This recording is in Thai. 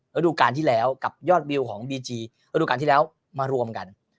ฤดูการที่แล้วกับยอดวิวของบีจีระดูการที่แล้วมารวมกัน